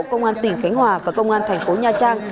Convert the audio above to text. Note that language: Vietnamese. công an tỉnh khánh hòa và công an thành phố nha trang